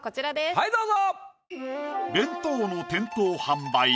はいどうぞ。